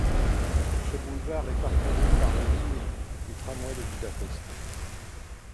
Ce boulevard est parcouru par les lignes du tramway de Budapest.